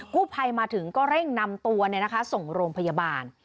กู้ภัยมาถึงก็เร่งนำตัวเนี่ยนะคะส่งโรงพยาบาล